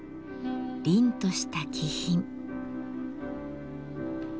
りんとした気品。